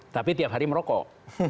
tapi tiap hari merokok